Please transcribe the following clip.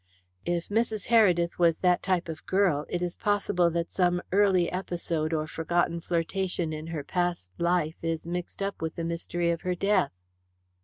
"If Mrs. Heredith was that type of girl, it is possible that some early episode or forgotten flirtation in her past life is mixed up with the mystery of her death."